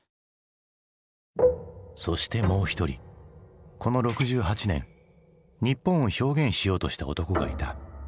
そしてもう一人この６８年日本を表現しようとした男がいた。